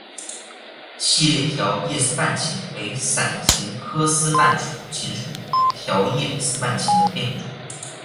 细裂条叶丝瓣芹为伞形科丝瓣芹属条叶丝瓣芹的变种。